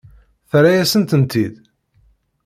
Terra-yasen-tent-id?